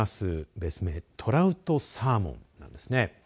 別名トラウトサーモンなんですね。